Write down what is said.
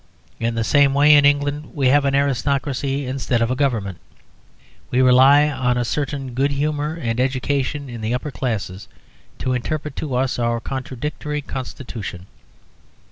In the same way in England we have an aristocracy instead of a Government. We rely on a certain good humour and education in the upper class to interpret to us our contradictory Constitution.